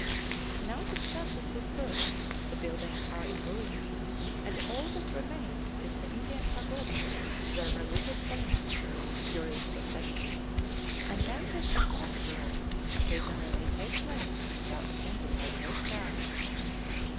Now the stud is dispersed, the buildings are in ruins, and all that remains is the Indian pagoda, where religious ceremonies, curious processions, and dances of nautch girls occasionally take place and are attended by great crowds.